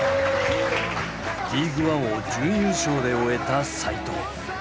リーグワンを準優勝で終えた齋藤。